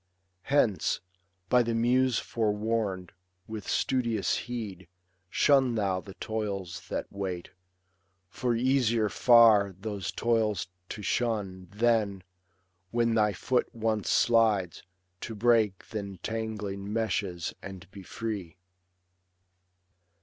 Hence, by the muse forewam'd, with studious' heed Shun thou the toils that wait ; for easier far Those toils to shun, than, when thy foot once slides, To break th' entangling meshes and be free.